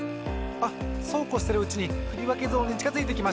あっそうこうしてるうちにふりわけゾーンにちかづいてきました。